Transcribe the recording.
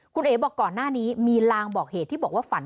คุณเอ๋บอกก่อนหน้านี้มีลางบอกเหตุที่บอกว่าฝัน